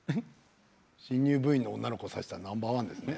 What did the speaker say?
新入部員の女の子を演じさせたらナンバー１ですね。